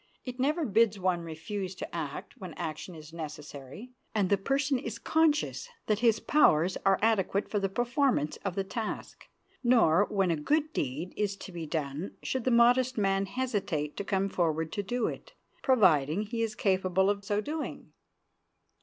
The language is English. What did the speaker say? It never bids one refuse to act when action is necessary, and the person is conscious that his powers are adequate for the performance of the task. Nor when a good deed is to be done should the modest man hesitate to come forward to do it, providing he is capable of so doing.